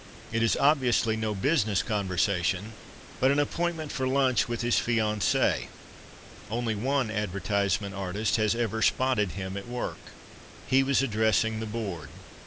It is obviously no business conversation hut an appointment for lunch with his fianci' e. Only one advertisement artist has ever " spotted " 299 PASTICHE AND PREJUDICE him at work. He was addressing the board.